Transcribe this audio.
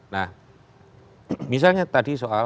nah misalnya tadi soal